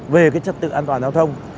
về cái trật tự an toàn giao thông